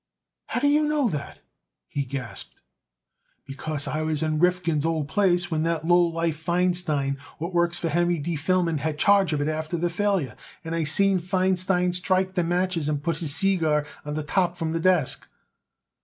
"How do you know that?" he gasped. "Because I was in Rifkin's old place when that lowlife Feinstein, what works for Henry D. Feldman, had charge of it after the failure; and I seen Feinstein strike them matches and put his seegar on the top from the desk."